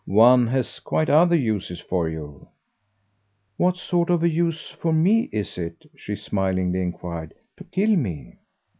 One has quite other uses for you." "What sort of a use for me is it," she smilingly enquired, "to kill me?"